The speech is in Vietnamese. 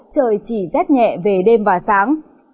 trời chỉ rét nhẹ về đêm và sáng